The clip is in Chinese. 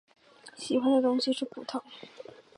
喜欢的东西是葡萄。